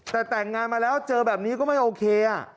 แต่แต่งงานมาแล้วเจอแบบนี้ก็ไม่โอเค